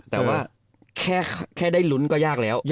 แต่ว่าแค่ได้ลุ้นก็ยากแล้ว